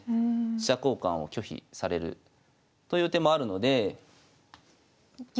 飛車交換を拒否されるという手もあるので。